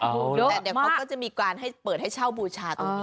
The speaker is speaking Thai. แต่เดี๋ยวเขาก็จะมีการให้เปิดให้เช่าบูชาตรงนี้